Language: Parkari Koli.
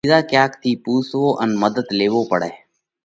ٻِيزا ڪياڪ ٿِي پُونسوو ان مڌت ليوو پڙئھ۔